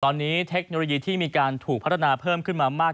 ตอนนี้เทคโนโลยีที่มีการถูกพัฒนาเพิ่มขึ้นมามาก